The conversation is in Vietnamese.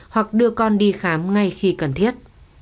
hoặc đưa con đi khám ngay khi cần thiết